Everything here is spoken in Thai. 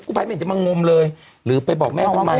ภัยไม่เห็นจะมางมเลยหรือไปบอกแม่ทำไม